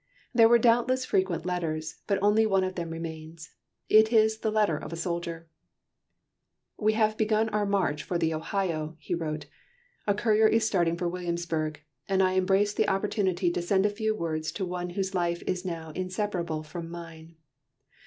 There were doubtless frequent letters, but only one of them remains. It is the letter of a soldier: "We have begun our march for the Ohio, [he wrote]. A courier is starting for Williamsburg, and I embrace the opportunity to send a few words to one whose life is now inseparable from mine.